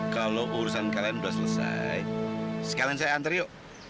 kalau urusan kalian sudah selesai sekarang saya antri yuk